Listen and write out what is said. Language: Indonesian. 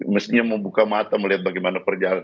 mestinya membuka mata melihat bagaimana perjalanan